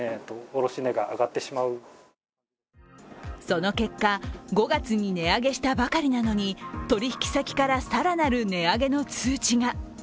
その結果、５月に値上げしたばかりなのに取引先から更なる値上げの通知が。